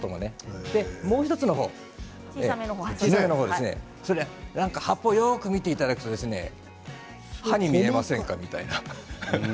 もう１つの方小さい方が葉っぱをよく見ていただくと歯に見えませんか。